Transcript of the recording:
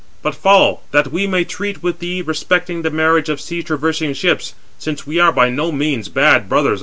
But follow, that we may treat with thee respecting the marriage of the sea traversing ships; since we are by no means bad brothers in law."